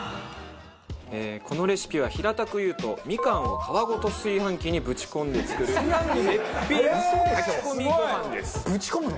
このレシピは平たく言うとみかんを皮ごと炊飯器にぶち込んで作る絶品炊き込みごはんです。